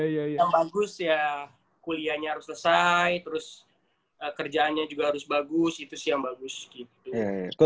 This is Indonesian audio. yang bagus ya kuliahnya harus selesai terus kerjaannya juga harus bagus itu sih yang bagus gitu